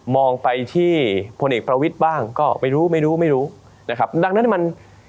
มองไปที่พลเอกประวิทย์บ้างก็ไม่รู้นั่งนั้น